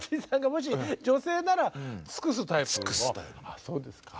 あそうですか。